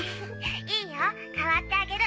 いいよ代わってあげる！